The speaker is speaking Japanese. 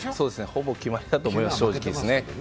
ほぼ決まりだと思いますね、正直。